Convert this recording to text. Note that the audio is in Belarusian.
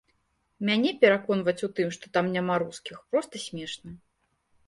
Мяне пераконваць у тым, што там няма рускіх, проста смешна.